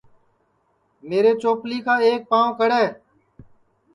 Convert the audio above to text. میرے چوپلی کا ایک پاو کڑے